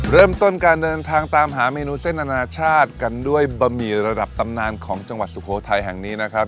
เริ่มต้นการเดินทางตามหาเมนูเส้นอนาชาติกันด้วยบะหมี่ระดับตำนานของจังหวัดสุโขทัยแห่งนี้นะครับ